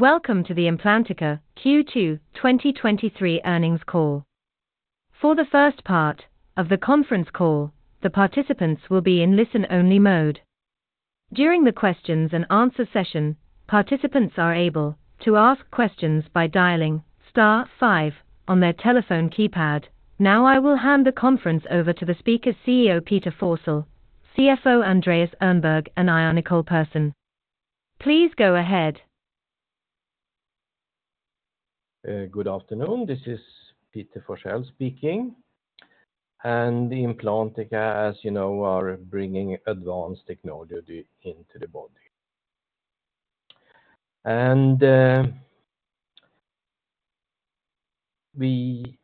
Welcome to the Implantica Q2 2023 earnings call. For the first part of the conference call, the participants will be in listen-only mode. During the questions and answer session, participants are able to ask questions by dialing star five on their telephone keypad. Now, I will hand the conference over to the speaker, CEO Peter Forsell, CFO Andreas Öhrnberg, and I, Nicole Pehrsson. Please go ahead. Good afternoon. This is Peter Forsell speaking, and the Implantica, as you know, are bringing advanced technology into the body.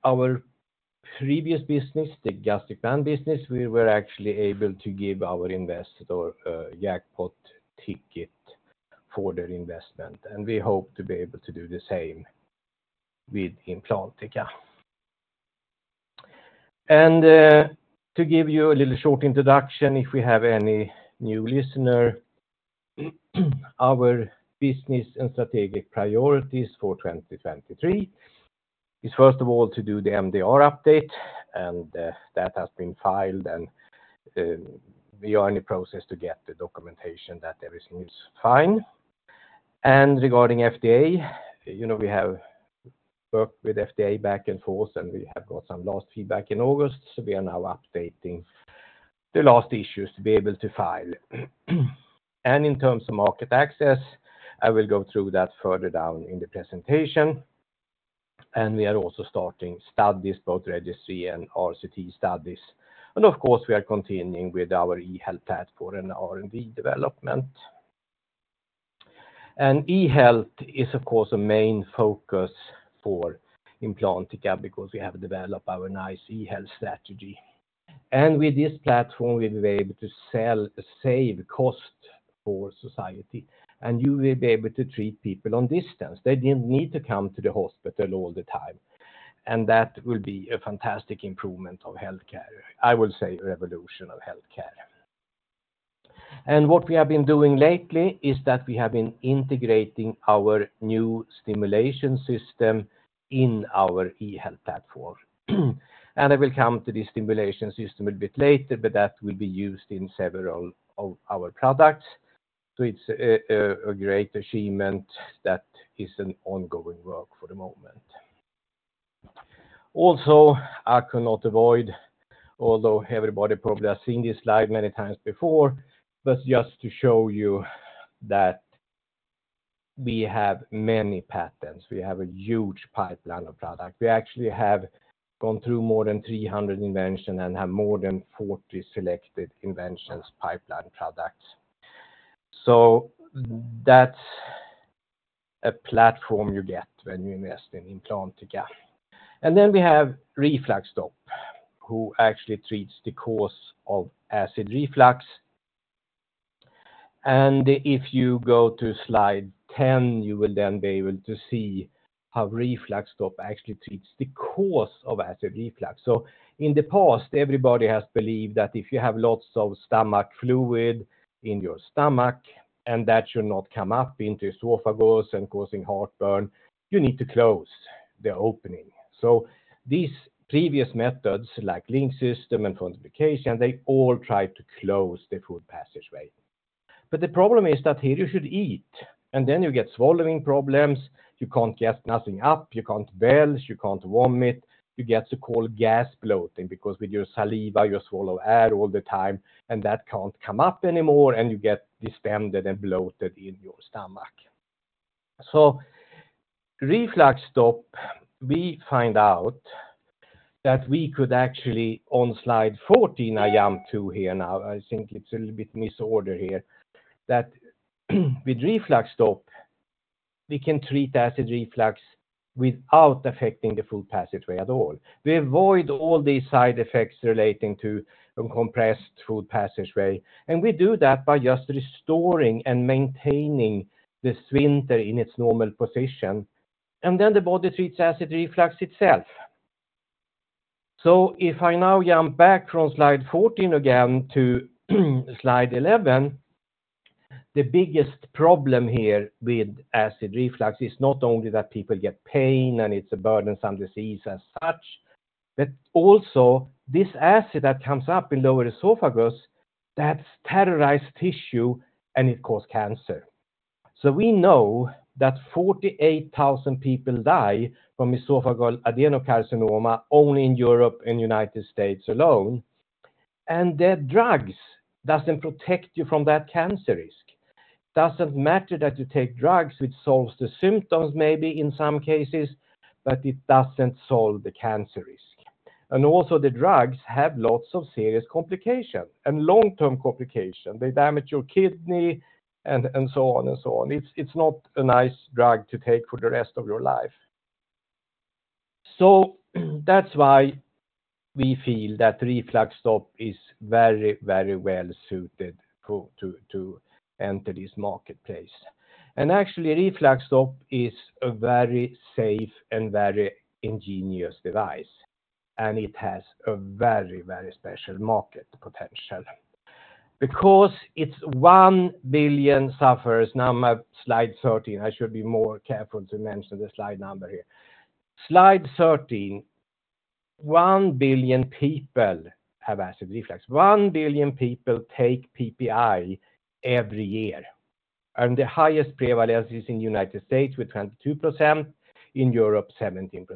Our previous business, the gastric band business, we were actually able to give our investor jackpot ticket for their investment, and we hope to be able to do the same with Implantica. To give you a little short introduction, if we have any new listener, our business and strategic priorities for 2023 is, first of all, to do the MDR update, and that has been filed, and we are in the process to get the documentation that everything is fine. Regarding FDA, you know, we have worked with FDA back and forth, and we have got some last feedback in August, so we are now updating the last issues to be able to file. In terms of market access, I will go through that further down in the presentation. We are also starting studies, both registry and RCT studies. Of course, we are continuing with our eHealth platform and R&D development. eHealth is, of course, a main focus for Implantica because we have developed our nice eHealth strategy. With this platform, we will be able to save costs for society, and you will be able to treat people at a distance. They didn't need to come to the hospital all the time, and that will be a fantastic improvement of healthcare. I will say revolution of healthcare. What we have been doing lately is that we have been integrating our new stimulation system in our eHealth platform. I will come to the stimulation system a bit later, but that will be used in several of our products. So it's a great achievement that is an ongoing work for the moment. Also, I cannot avoid, although everybody probably has seen this slide many times before, but just to show you that we have many patents. We have a huge pipeline of products. We actually have gone through more than 300 inventions and have more than 40 selected inventions, pipeline products. So that's a platform you get when you invest in Implantica. And then we have RefluxStop, who actually treats the cause of acid reflux. And if you go to slide 10, you will then be able to see how RefluxStop actually treats the cause of acid reflux. So in the past, everybody has believed that if you have lots of stomach fluid in your stomach, and that should not come up into esophagus and causing heartburn, you need to close the opening. So these previous methods, like LINX system and fundoplication, they all try to close the food passageway. But the problem is that here you should eat, and then you get swallowing problems, you can't get nothing up, you can't belch, you can't vomit, you get so-called gas bloating, because with your saliva, you swallow air all the time, and that can't come up anymore, and you get distended and bloated in your stomach. So RefluxStop, we find out that we could actually, on slide 14, I jump to here now, I think it's a little bit misordered here. That with RefluxStop, we can treat acid reflux without affecting the food passageway at all. We avoid all these side effects relating to a compressed food passageway, and we do that by just restoring and maintaining the sphincter in its normal position, and then the body treats acid reflux itself. So if I now jump back from slide 14 again to slide 11, the biggest problem here with acid reflux is not only that people get pain, and it's a burdensome disease as such, but also this acid that comes up in lower esophagus, that's terrorized tissue, and it cause cancer. So we know that 48,000 people die from esophageal adenocarcinoma only in Europe and United States alone, and their drugs doesn't protect you from that cancer risk. Doesn't matter that you take drugs, which solves the symptoms, maybe in some cases, but it doesn't solve the cancer risk. And also, the drugs have lots of serious complication and long-term complication. They damage your kidney and, and so on and so on. It's, it's not a nice drug to take for the rest of your life. So that's why we feel that RefluxStop is very, very well-suited for, to, to enter this marketplace. And actually, RefluxStop is a very safe and very ingenious device, and it has a very, very special market potential. Because it's 1 billion sufferers. Now, I'm at slide 13. I should be more careful to mention the slide number here. Slide 13, 1 billion people have acid reflux. 1 billion people take PPI every year, and the highest prevalence is in the United States, with 22%, in Europe, 17%.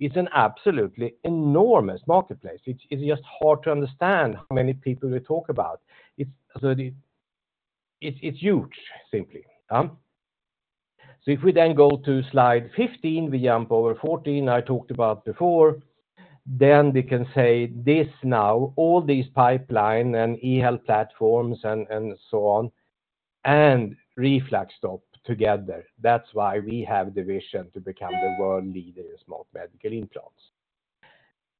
It's an absolutely enormous marketplace. It's, it's just hard to understand how many people we talk about. It's, so the—it's, it's huge, simply. So if we then go to slide 15, we jump over 14, I talked about before. Then we can say this now, all these pipeline and eHealth platforms and, and so on, and RefluxStop together. That's why we have the vision to become the world leader in smart medical implants.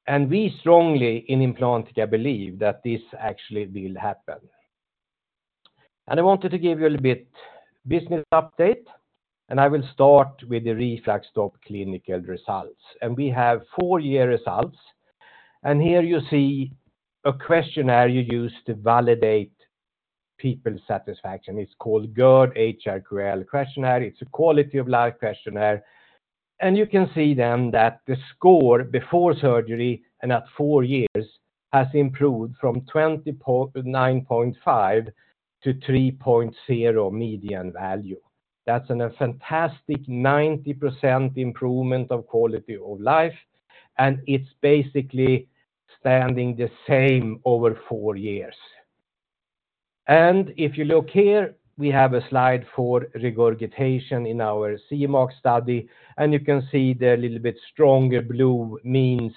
And we strongly, in Implantica, believe that this actually will happen. And I wanted to give you a little bit business update, and I will start with the RefluxStop clinical results. And we have 4-year results, and here you see a questionnaire you use to validate people's satisfaction. It's called GERD-HRQL questionnaire. It's a quality of life questionnaire, and you can see then that the score before surgery and at 4 years has improved from 29.5 to 3.0 median value. That's a fantastic 90% improvement of quality of life, and it's basically standing the same over four years. If you look here, we have a slide for regurgitation in our CE mark study, and you can see the little bit stronger blue means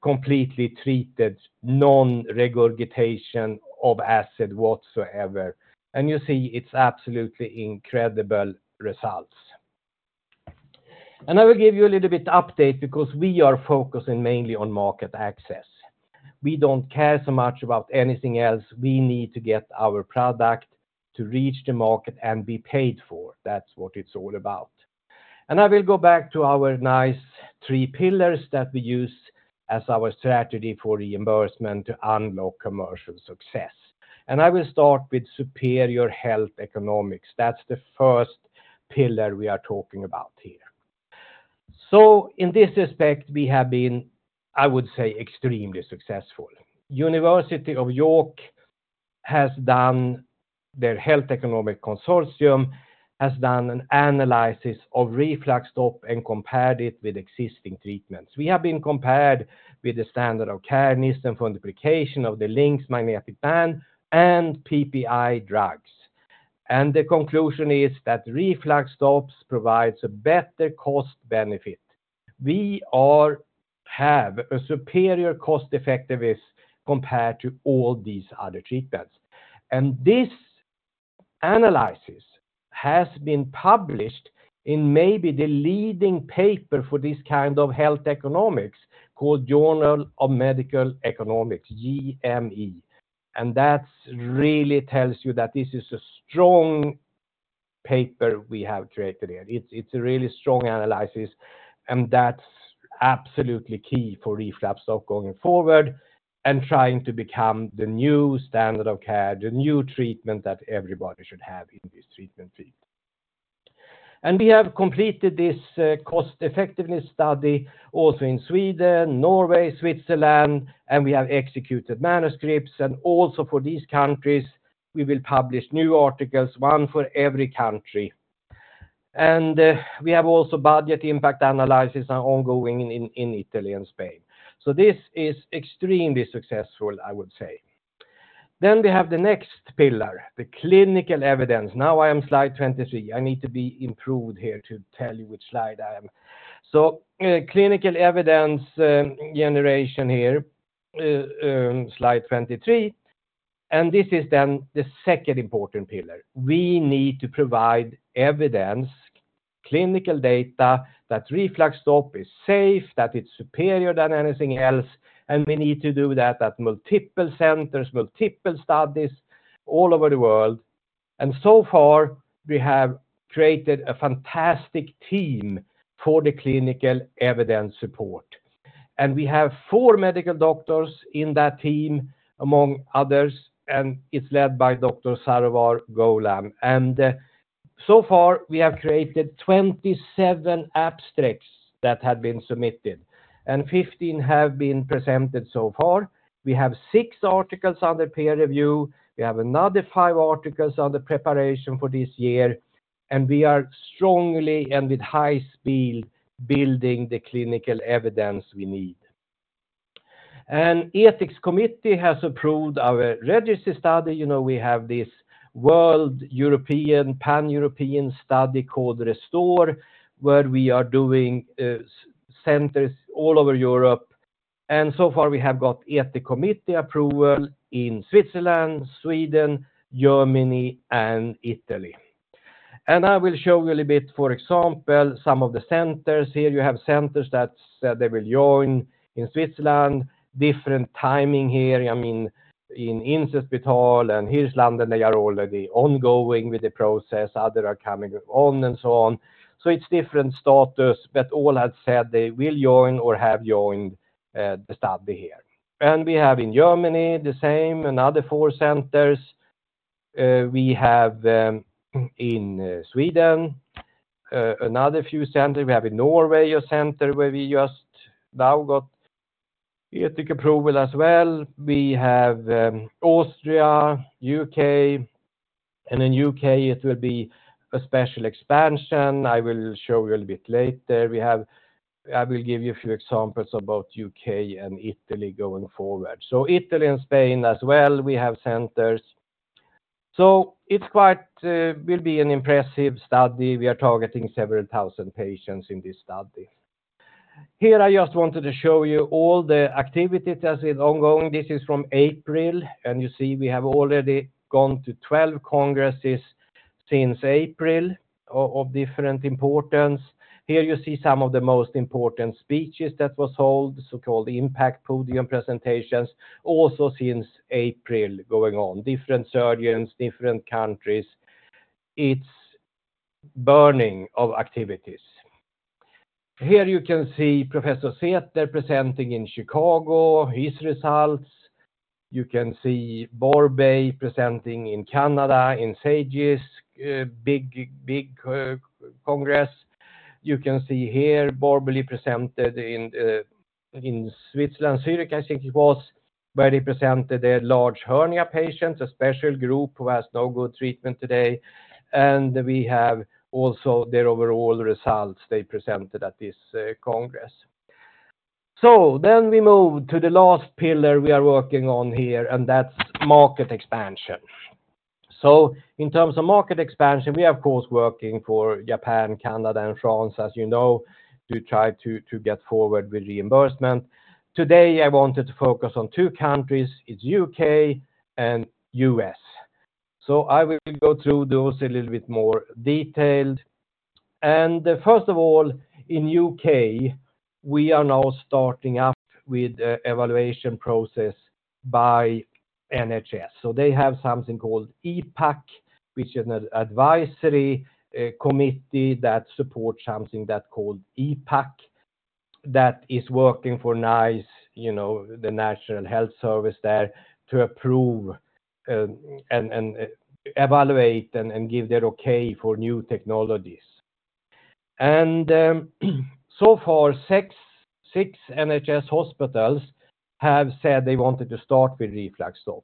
completely treated, non-regurgitation of acid whatsoever. You see it's absolutely incredible results. I will give you a little bit update because we are focusing mainly on market access. We don't care so much about anything else. We need to get our product to reach the market and be paid for. That's what it's all about. I will go back to our nice three pillars that we use as our strategy for reimbursement to unlock commercial success. I will start with superior health economics. That's the first pillar we are talking about here. So in this respect, we have been, I would say, extremely successful. University of York has done—their health economic consortium has done an analysis of RefluxStop and compared it with existing treatments. We have been compared with the standard of care Nissen fundoplication of the LINX magnetic band and PPI drugs. And the conclusion is that RefluxStop provides a better cost benefit. We have a superior cost effectiveness compared to all these other treatments, and this analysis has been published in maybe the leading paper for this kind of health economics, called Journal of Medical Economics, JME. And that really tells you that this is a strong paper we have created here. It's, it's a really strong analysis, and that's absolutely key for RefluxStop going forward and trying to become the new standard of care, the new treatment that everybody should have in this treatment field. And we have completed this, cost effectiveness study also in Sweden, Norway, Switzerland, and we have executed manuscripts, and also for these countries, we will publish new articles, one for every country. And, we have also budget impact analysis are ongoing in Italy and Spain. So this is extremely successful, I would say. Then we have the next pillar, the clinical evidence. Now I am slide 23. I need to be improved here to tell you which slide I am. So, clinical evidence, generation here, slide 23, and this is then the second important pillar. We need to provide evidence, clinical data, that RefluxStop is safe, that it's superior than anything else, and we need to do that at multiple centers, multiple studies all over the world. And so far, we have created a fantastic team for the clinical evidence support. We have four medical doctors in that team, among others, and it's led by Dr. Sarowar Gholam. So far, we have created 27 abstracts that have been submitted, and 15 have been presented so far. We have six articles under peer review. We have another five articles under preparation for this year, and we are strongly and with high speed, building the clinical evidence we need. An ethics committee has approved our registry study. You know, we have this world European, pan-European study called Restore, where we are doing centers all over Europe, and so far we have got ethics committee approval in Switzerland, Sweden, Germany, and Italy. I will show you a little bit, for example, some of the centers here. You have centers that said they will join in Switzerland, different timing here. I mean, in Inselspital and Hirslanden, they are already ongoing with the process, others are coming on and so on. So it's different status, but all have said they will join or have joined the study here. We have in Germany the same, another four centers. We have in Sweden another few center. We have in Norway a center where we just now got ethical approval as well. We have Austria, U.K., and in U.K. it will be a special expansion. I will show you a little bit later. I will give you a few examples about U.K. and Italy going forward. So Italy and Spain as well, we have centers. So it's quite will be an impressive study. We are targeting several thousand patients in this study. Here, I just wanted to show you all the activity that is ongoing. This is from April, and you see we have already gone to 12 congresses since April, of, of different importance. Here you see some of the most important speeches that was held, so-called impact podium presentations, also since April going on. Different surgeons, different countries. It's burning of activities. Here you can see Professor Zehetner presenting in Chicago, his results. You can see Borbély presenting in Canada, in SAGES, big, big, congress. You can see here, Borbély presented in, in Switzerland, Zurich, I think it was, where they presented their large hernia patients, a special group who has no good treatment today. And we have also their overall results they presented at this, congress. So then we move to the last pillar we are working on here, and that's market expansion. So in terms of market expansion, we are of course working for Japan, Canada, and France, as you know, to try to get forward with reimbursement. Today, I wanted to focus on two countries, it's U.K. and U.S. So I will go through those a little bit more detailed. And first of all, in U.K., we are now starting up with the evaluation process by NHS. So they have something called IPAC, which is an advisory committee that supports something that's called IPAC, that is working for NICE, you know, the National Health Service there, to approve and evaluate and give their okay for new technologies. And so far, six NHS hospitals have said they wanted to start with RefluxStop.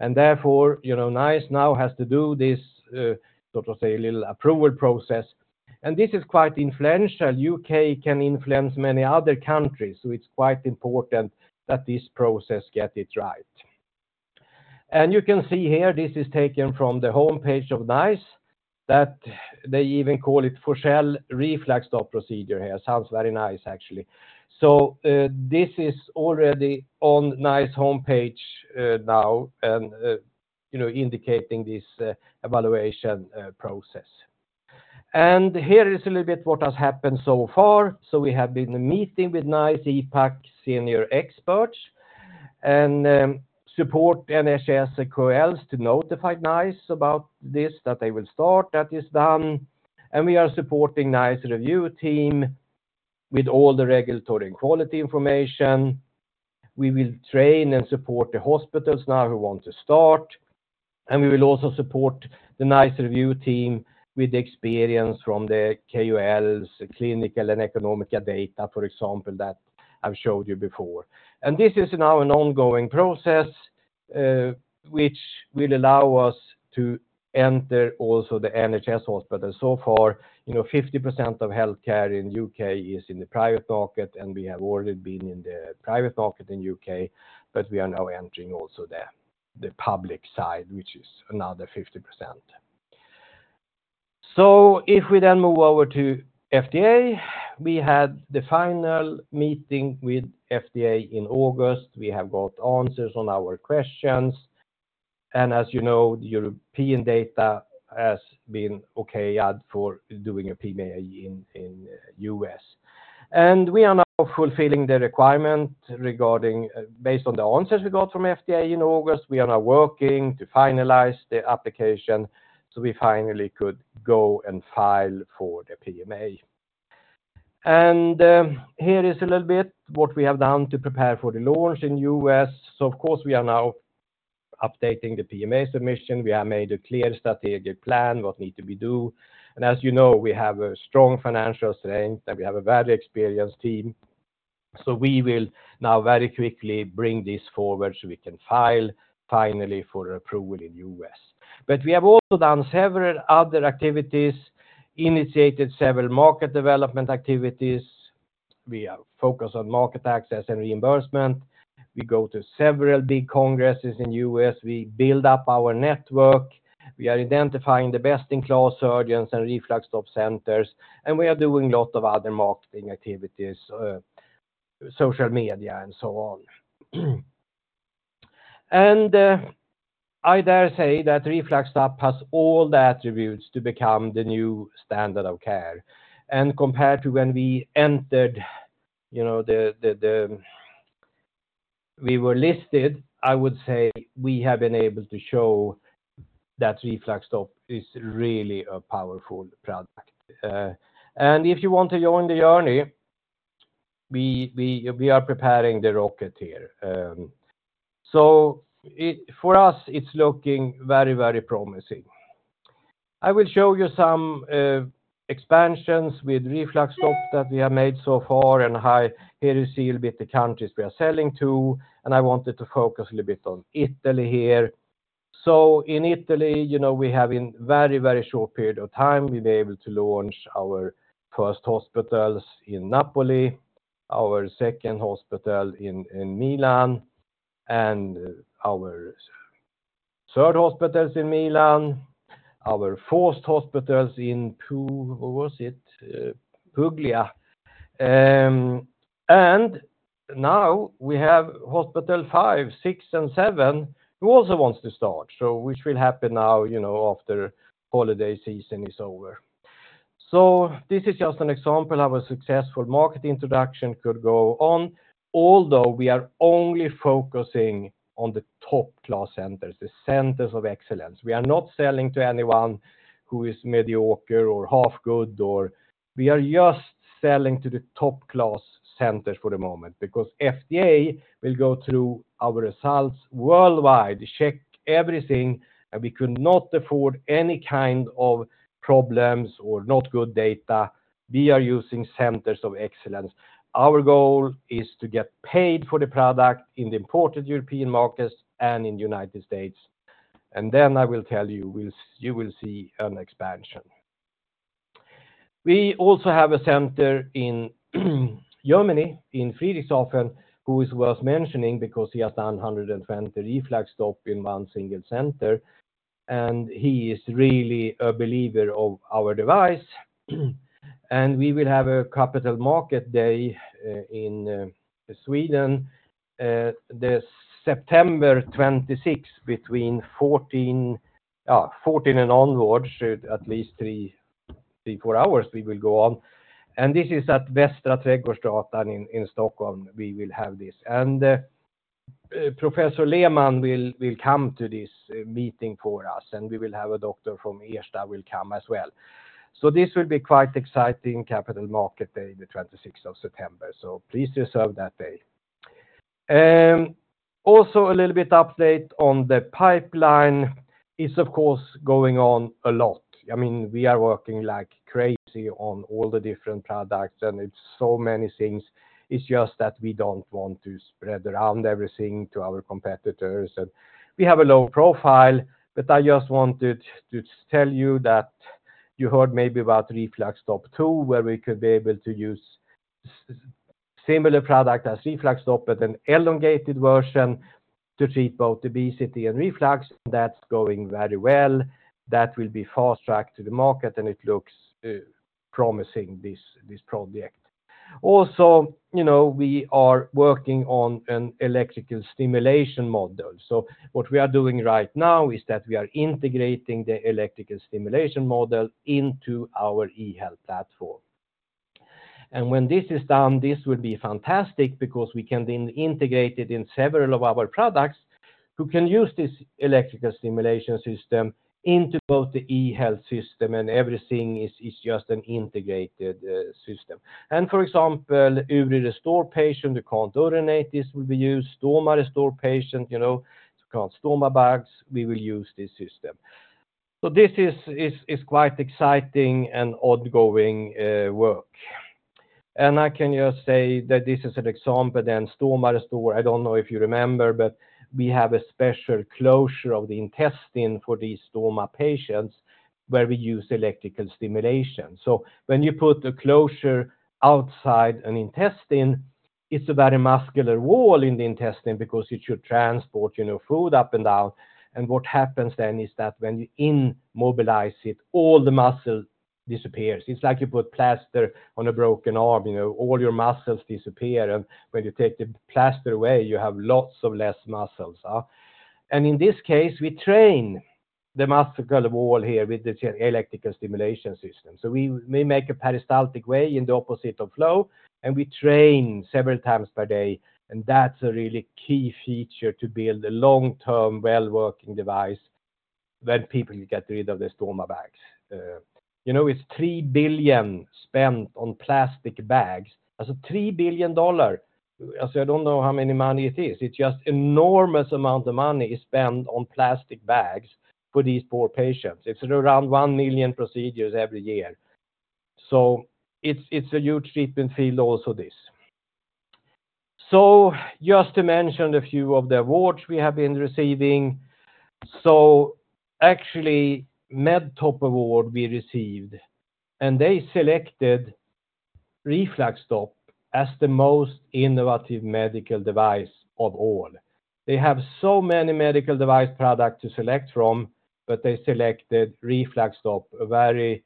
And therefore, you know, NICE now has to do this sort of say, a little approval process. And this is quite influential. U.K. can influence many other countries, so it's quite important that this process get it right. And you can see here, this is taken from the homepage of NICE, that they even call it for sure RefluxStop procedure here. Sounds very nice, actually. So, this is already on NICE homepage, now, and, you know, indicating this, evaluation, process. And here is a little bit what has happened so far. So we have been meeting with NICE, IPAC, senior experts, and, support NHS KOLs to notify NICE about this, that they will start, that is done. And we are supporting NICE review team with all the regulatory and quality information. We will train and support the hospitals now who want to start, and we will also support the NICE review team with the experience from the KOLs, clinical and economic data, for example, that I've showed you before. This is now an ongoing process, which will allow us to enter also the NHS hospital. So far, you know, 50% of healthcare in the U.K. is in the private market, and we have already been in the private market in the U.K., but we are now entering also the, the public side, which is another 50%. So if we then move over to FDA, we had the final meeting with FDA in August. We have got answers on our questions. As you know, European data has been okayed for doing a PMA in the U.S. We are now fulfilling the requirement regarding, based on the answers we got from FDA in August. We are now working to finalize the application, so we finally could go and file for the PMA. Here is a little bit what we have done to prepare for the launch in U.S. Of course, we are now updating the PMA submission. We have made a clear strategic plan, what need to be do. As you know, we have a strong financial strength, and we have a very experienced team. We will now very quickly bring this forward so we can file finally for approval in U.S. But we have also done several other activities, initiated several market development activities. We are focused on market access and reimbursement. We go to several big congresses in U.S. We build up our network. We are identifying the best-in-class surgeons and RefluxStop centers, and we are doing a lot of other marketing activities, social media and so on. I dare say that RefluxStop has all the attributes to become the new standard of care. Compared to when we entered, you know, we were listed, I would say we have been able to show that RefluxStop is really a powerful product. If you want to join the journey, we are preparing the rocket here. So it, for us, it's looking very, very promising. I will show you some expansions with RefluxStop that we have made so far, and here you see a bit the countries we are selling to, and I wanted to focus a little bit on Italy here. So in Italy, you know, we have in very, very short period of time, we've been able to launch our first hospitals in Napoli, our second hospital in, in Milan, and our third hospital in Milan, our fourth hospital in Pu-- what was it? Puglia. And now we have hospital five, six, and seven, who also wants to start, so which will happen now, you know, after holiday season is over. So this is just an example of a successful market introduction could go on. Although we are only focusing on the top-class centers, the centers of excellence. We are not selling to anyone who is mediocre or half good or-- we are just selling to the top-class centers for the moment, because FDA will go through our results worldwide, check everything, and we could not afford any kind of problems or not good data. We are using centers of excellence. Our goal is to get paid for the product in the important European markets and in the United States, and then I will tell you, we'll, you will see an expansion. We also have a center in Germany, in Friedrichshafen, who is worth mentioning because he has done 120 RefluxStop in one single center, and he is really a believer of our device. We will have a capital market day in Sweden this September 26th, between 2:00 P.M. and onwards, at least 3-4 hours we will go on. This is at Västra Trädgårdsgatan in Stockholm, we will have this. Professor Lehmann will come to this meeting for us, and we will have a doctor from Ersta will come as well. So this will be quite exciting Capital Market Day, the 26th of September, so please reserve that day. Also a little bit update on the pipeline is, of course, going on a lot. I mean, we are working like crazy on all the different products, and it's so many things. It's just that we don't want to spread around everything to our competitors, and we have a low profile, but I just wanted to tell you that you heard maybe about RefluxStop 2, where we could be able to use a similar product as RefluxStop, but an elongated version to treat both obesity and reflux. That's going very well. That will be fast-tracked to the market, and it looks promising, this, this project. Also, you know, we are working on an electrical stimulation model. So what we are doing right now is that we are integrating the electrical stimulation model into our eHealth platform. And when this is done, this will be fantastic because we can then integrate it in several of our products. We can use this electrical stimulation system into both the eHealth system and everything is, is just an integrated, system. And for example, if we Restore patient who can't urinate, this will be used. StomaRestore patient, you know, who caught stoma bags, we will use this system. So this is, is, is quite exciting and ongoing, work. And I can just say that this is an example, then, StomaRestore. I don't know if you remember, but we have a special closure of the intestine for these stoma patients, where we use electrical stimulation. So when you put the closure outside an intestine, it's a very muscular wall in the intestine because it should transport, you know, food up and down. And what happens then is that when you immobilize it, all the muscle disappears. It's like you put plaster on a broken arm, you know, all your muscles disappear, and when you take the plaster away, you have lots of less muscles. And in this case, we train the muscular wall here with the electrical stimulation system. So we, we make a peristaltic way in the opposite of flow, and we train several times per day, and that's a really key feature to build a long-term, well-working device when people get rid of the stoma bags. You know, it's $3 billion spent on plastic bags. That's a $3 billion dollar. I say, I don't know how many money it is. It's just enormous amount of money spent on plastic bags for these poor patients. It's around 1 million procedures every year, so it's a huge treatment field also, this. So just to mention a few of the awards we have been receiving. So actually, Medtop Award we received, and they selected RefluxStop as the most innovative medical device of all. They have so many medical device product to select from, but they selected RefluxStop, a very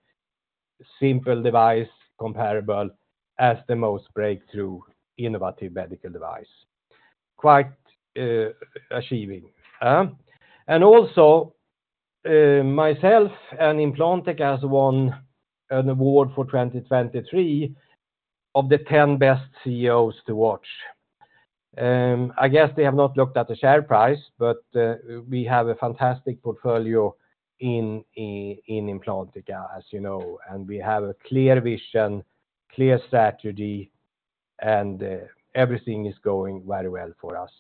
simple device, comparable as the most breakthrough innovative medical device. Quite achieving? And also, myself and Implantica has won an award for 2023 of the 10 best CEOs to watch. I guess they have not looked at the share price, but we have a fantastic portfolio in Implantica, as you know, and we have a clear vision, clear strategy, and everything is going very well for us.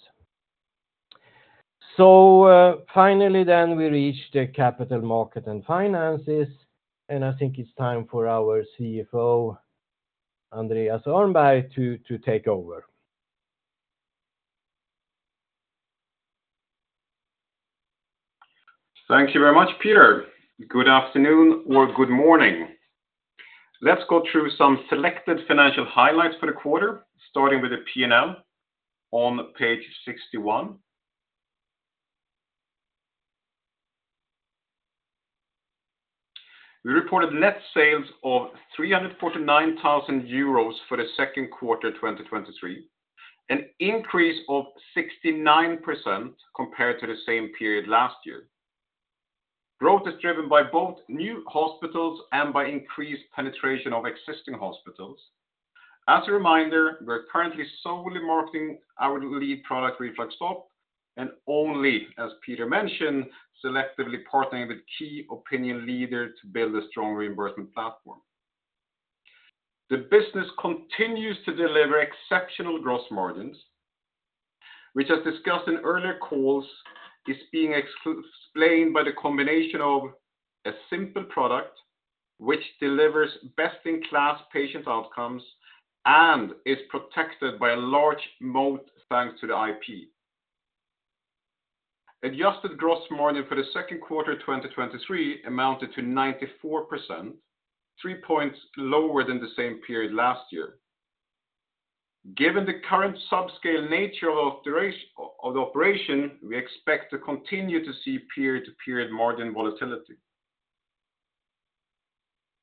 So, finally, then we reach the capital market and finances, and I think it's time for our CFO, Andreas Öhrnberg, to take over. Thank you very much, Peter. Good afternoon or good morning. Let's go through some selected financial highlights for the quarter, starting with the P&L on page 61. We reported net sales of 349,000 euros for the second quarter 2023, an increase of 69% compared to the same period last year. Growth is driven by both new hospitals and by increased penetration of existing hospitals. As a reminder, we're currently solely marketing our lead product, RefluxStop, and only, as Peter mentioned, selectively partnering with key opinion leaders to build a strong reimbursement platform. The business continues to deliver exceptional gross margins, which as discussed in earlier calls, is being explained by the combination of a simple product, which delivers best-in-class patient outcomes and is protected by a large moat, thanks to the IP. Adjusted gross margin for the second quarter 2023 amounted to 94%, 3 points lower than the same period last year. Given the current subscale nature of the operation, we expect to continue to see period-to-period margin volatility.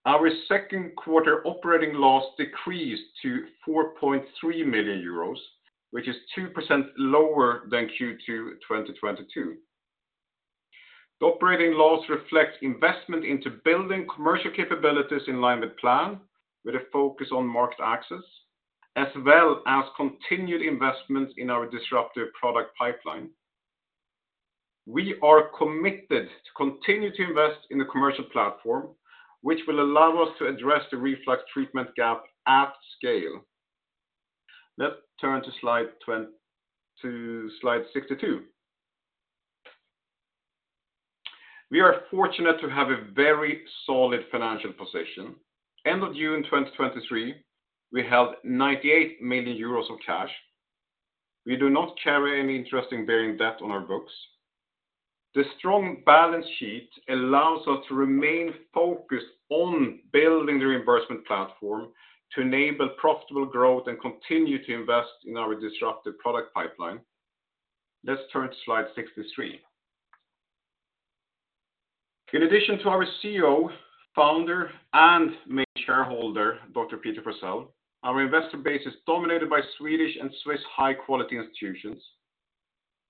Our second quarter operating loss decreased to 4.3 million euros, which is 2% lower than Q2 2022. The operating loss reflects investment into building commercial capabilities in line with plan, with a focus on market access, as well as continued investment in our disruptive product pipeline. We are committed to continue to invest in the commercial platform, which will allow us to address the reflux treatment gap at scale. Let's turn to slide 62. We are fortunate to have a very solid financial position. End of June 2023, we held 98 million euros of cash. We do not carry any interest-bearing debt on our books. The strong balance sheet allows us to remain focused on building the reimbursement platform to enable profitable growth and continue to invest in our disruptive product pipeline. Let's turn to slide 63. In addition to our CEO, founder, and main shareholder, Dr. Peter Forsell, our investor base is dominated by Swedish and Swiss high-quality institutions.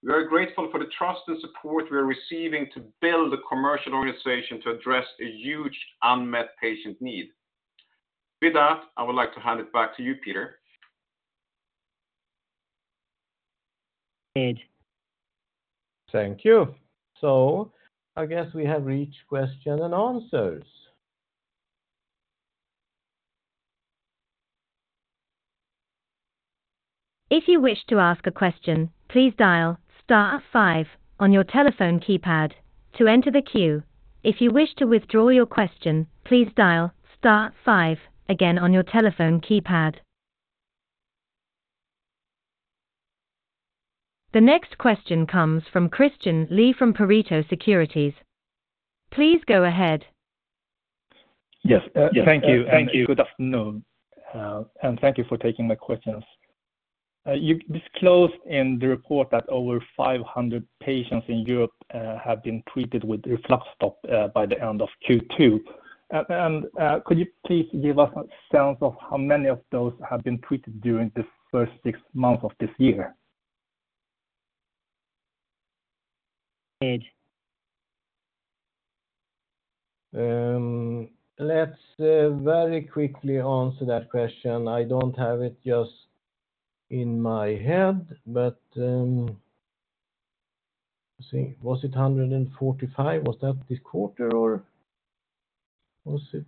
We are grateful for the trust and support we are receiving to build a commercial organization to address a huge unmet patient need. With that, I would like to hand it back to you, Peter. Thank you. I guess we have reached question and answers. If you wish to ask a question, please dial star five on your telephone keypad to enter the queue. If you wish to withdraw your question, please dial star five again on your telephone keypad. The next question comes from Christian Lee from Pareto Securities. Please go ahead. Yes, thank you. Thank you. Good afternoon, and thank you for taking my questions. You disclosed in the report that over 500 patients in Europe have been treated with RefluxStop by the end of Q2. And could you please give us a sense of how many of those have been treated during this first six months of this year? Let's very quickly answer that question. I don't have it just in my head, but let's see. Was it 145? Was that this quarter, or was it...?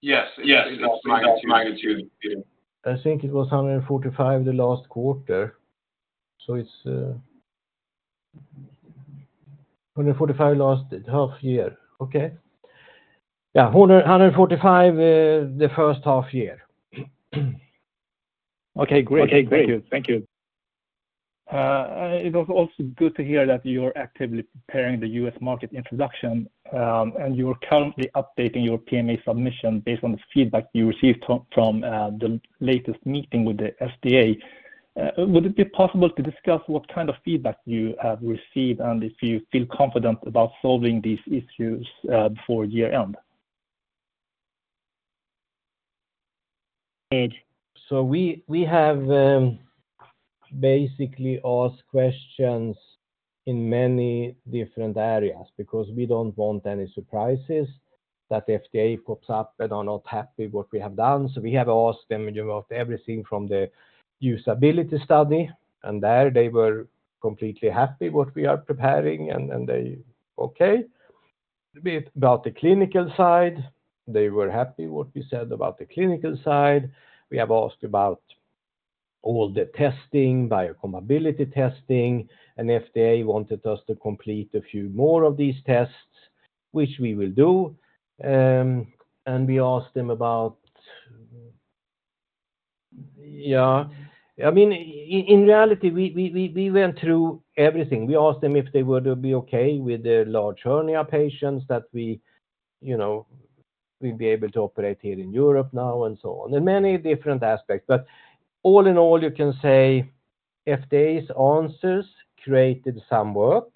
Yes, yes, that's magnitude, Peter. I think it was 145 the last quarter, so it's 145 last half year. Okay. Yeah, 145, 145, the first half year. Okay, great. Thank you. Thank you. It was also good to hear that you're actively preparing the US market introduction, and you are currently updating your PMA submission based on the feedback you received from the latest meeting with the FDA. Would it be possible to discuss what kind of feedback you have received, and if you feel confident about solving these issues before year end? So we have basically asked questions in many different areas because we don't want any surprises that the FDA pops up and are not happy what we have done. We have asked them about everything from the usability study, and there they were completely happy what we are preparing, and they okay. A bit about the clinical side, they were happy what we said about the clinical side. We have asked about all the testing, biocompatibility testing, and FDA wanted us to complete a few more of these tests, which we will do. And we asked them about. Yeah, I mean, in reality, we went through everything. We asked them if they would be okay with the large hernia patients that we, you know, we'd be able to operate here in Europe now, and so on, in many different aspects. All in all, you can say FDA's answers created some work,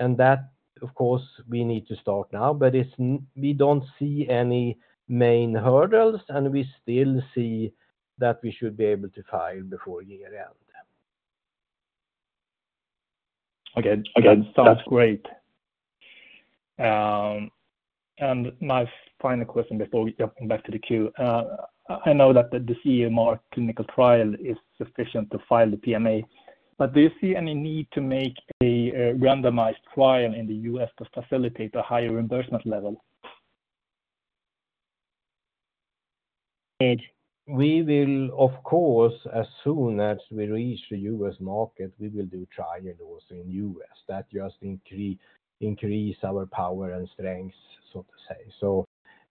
and that, of course, we need to start now, but it's, we don't see any main hurdles, and we still see that we should be able to file before year-end. Okay. Again, sounds great. And my final question before we jumping back to the queue. I know that the CE mark clinical trial is sufficient to file the PMA, but do you see any need to make a randomized trial in the U.S. to facilitate a higher reimbursement level? We will, of course, as soon as we reach the U.S. market, we will do trials also in U.S. That just increase, increase our power and strength, so to say.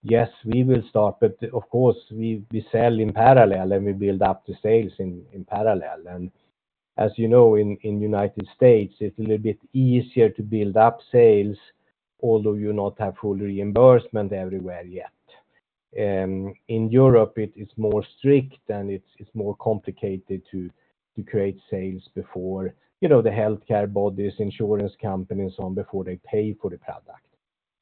So yes, we will start, but of course, we sell in parallel, and we build up the sales in parallel. And as you know in United States, it's a little bit easier to build up sales, although you not have full reimbursement everywhere yet. In Europe, it is more strict, and it's more complicated to create sales before, you know, the healthcare bodies, insurance companies, and so on, before they pay for the product.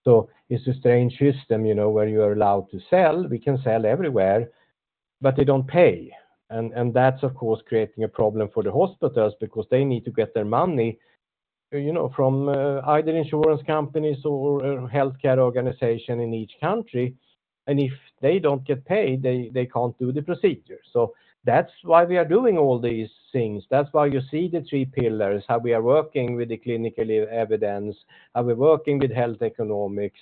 So it's a strange system, you know, where you are allowed to sell. We can sell everywhere, but they don't pay. And that's, of course, creating a problem for the hospitals because they need to get their money, you know, from either insurance companies or healthcare organization in each country. And if they don't get paid, they can't do the procedure. So that's why we are doing all these things. That's why you see the three pillars, how we are working with the clinical evidence, how we're working with health economics.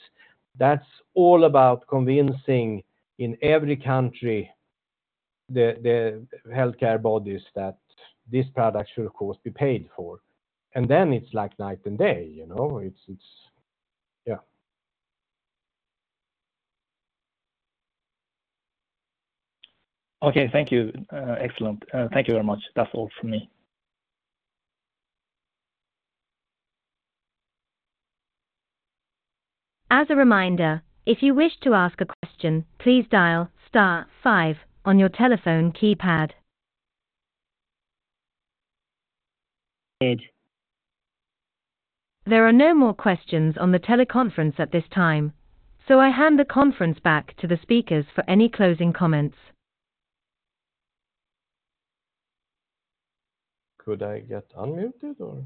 That's all about convincing in every country, the healthcare bodies, that this product should, of course, be paid for. And then it's like night and day, you know? It's... Yeah. Okay. Thank you. Excellent. Thank you very much. That's all from me. As a reminder, if you wish to ask a question, please dial star five on your telephone keypad. There are no more questions on the teleconference at this time, so I hand the conference back to the speakers for any closing comments. Could I get unmuted, or?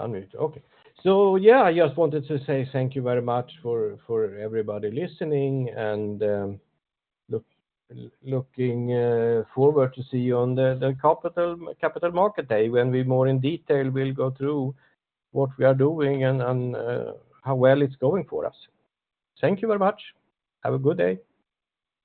Unmuted. Okay. So yeah, I just wanted to say thank you very much for everybody listening and looking forward to see you on the capital market day, when we more in detail we'll go through what we are doing and how well it's going for us. Thank you very much. Have a good day.